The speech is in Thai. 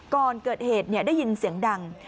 ก่อนเกิดเหตุได้ยินเสียงดัง